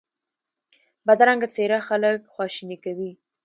بدرنګه څېره خلک خواشیني کوي